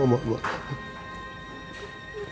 aku gak pernah bohong sama mama